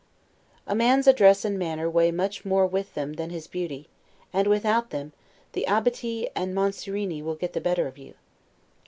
A man's address and manner weigh much more with them than his beauty; and, without them, the Abbati and Monsignori will get the better of you.